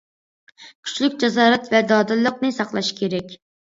كۈچلۈك جاسارەت ۋە دادىللىقنى ساقلاش كېرەك.